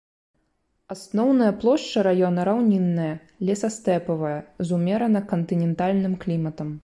Асноўная плошча раёна раўнінная, лесастэпавая, з умерана кантынентальным кліматам.